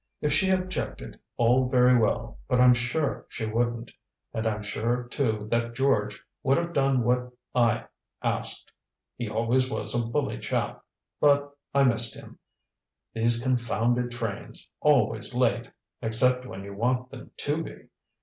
If she objected, all very well but I'm sure she wouldn't. And I'm sure, too, that George would have done what I asked he always was a bully chap. But I missed him. These confounded trains always late. Except when you want them to be.